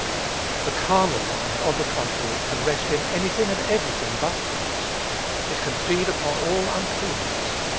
The carnal mind, on the contrary, can rest in any thing and every thing but Christ. It can feed upon all uncleanness.